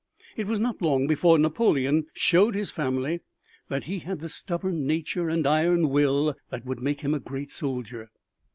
It was not long before Napoleon showed his family that he had the stubborn nature and iron will that would make him a great soldier.